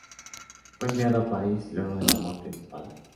Fue enviado a París luego de la muerte de su padre.